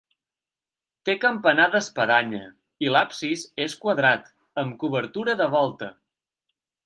Té campanar d'espadanya i l'absis és quadrat, amb cobertura de volta.